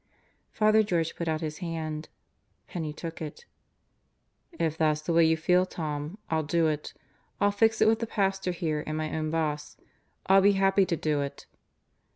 Father George put out his hand. Penney took it. "If that's the way you feel, Tom, I'll do it. I'll fix it with the pastor here and my own boss. I'll be happy to do it."